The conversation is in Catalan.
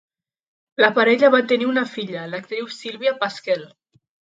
La parella va tenir una filla, l'actriu Sylvia Pasquel.